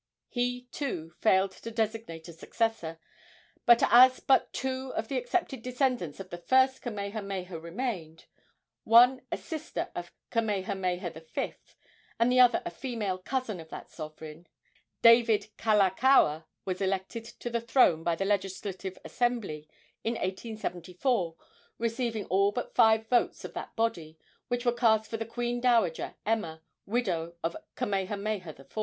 He, too, failed to designate a successor, and as but two of the accepted descendants of the first Kamehameha remained one a sister of Kamehameha V. and the other a female cousin of that sovereign David Kalakaua was elected to the throne by the Legislative Assembly in 1874, receiving all but five votes of that body, which were cast for the queen dowager Emma, widow of Kamehameha IV.